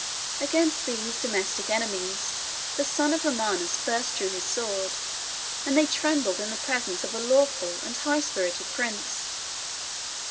Against these domestic enemies the son of Romanus first drew his sword, and they trembled in the presence of a lawful and high spirited prince.